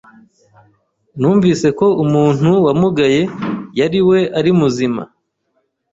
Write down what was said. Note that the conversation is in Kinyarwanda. Numvise ko umuntu wamugaye yariwe ari muzima.